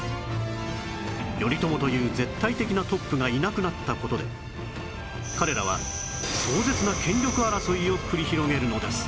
頼朝という絶対的なトップがいなくなった事で彼らは壮絶な権力争いを繰り広げるのです